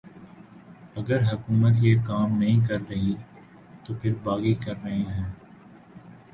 اگر حکومت یہ کام نہیں کررہی تو پھر باغی کررہے ہیں